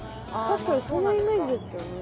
確かにそんなイメージですけどね